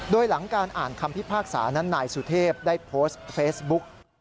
โดยหลังการอ่านคำพิพากษานั้นนายสุเทพได้โพสต์เฟซบุ๊ก